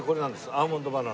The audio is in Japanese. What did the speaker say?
アーモンドバナナ。